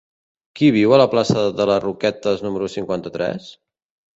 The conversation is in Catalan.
Qui viu a la plaça de les Roquetes número cinquanta-tres?